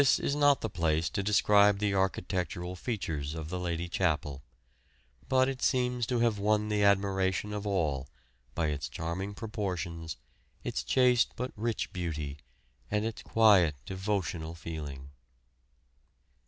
This is not the place to describe the architectural features of the Lady Chapel, but it seems to have won the admiration of all by its charming proportions, its chaste but rich beauty, and its quiet, devotional feeling.